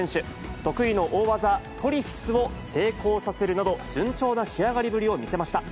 得意の大技、トリフィスを成功させるなど、順調な仕上がりぶりを見せました。